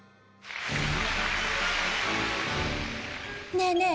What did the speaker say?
ねえねえ